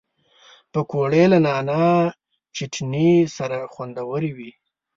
پکورې له نعناع چټني سره خوندورې وي